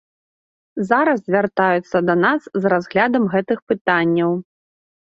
Зараз звяртаюцца да нас з разглядам гэтых пытанняў.